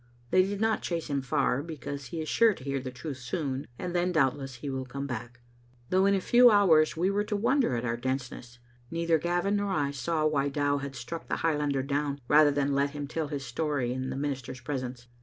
They did not chase him far, because he is sure to hear the truth soon, and then, doubtless, he will come back. " Though in a few hours we were to wonder at our denseness, neither Gavin nor I saw why Dow had struck the Highlander down rather than let him tell his story in the minister's presence.